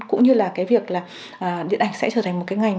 cũng như là việc điện ảnh sẽ trở thành một ngành